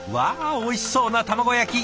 おいしそうな卵焼き。